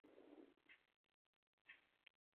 Su función es la de sostener el labio superior.